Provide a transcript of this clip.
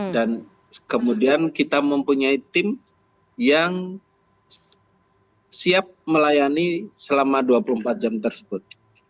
kemudian kita mempunyai tim yang siap melayani selama dua puluh empat jam tersebut